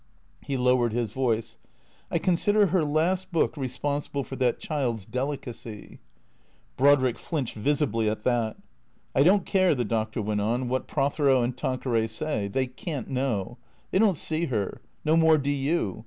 He lowered his voice. " I consider her last book responsible for that child's deli cacy." Brodrick flinched visibly at that. " I don't care/' the Doctor went on, " what Prothero and Tanqueray say. They can't know. They don't see her. No more do you.